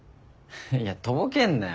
いやとぼけんなよ。